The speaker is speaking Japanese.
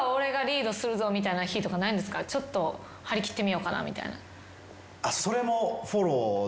ちょっと張り切ってみようかなみたいな。